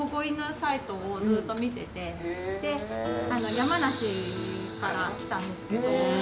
山梨から来たんですけど。